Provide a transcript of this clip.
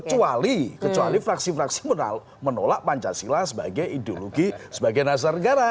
kecuali kecuali fraksi fraksi mana menolak pancasila sebagai ideologi sebagai dasar negara